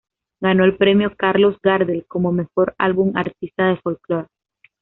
Ganó el premio Carlos Gardel como "Mejor Álbum Artista de Folklore".